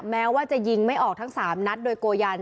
แม้ว่าจะยิงไม่ออกทั้ง๓นัดโดยโกยัน